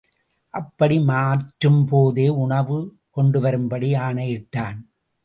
அப்படி மாற்றும்போதே உணவு கொண்டுவரும்படி ஆணையிட்டான்.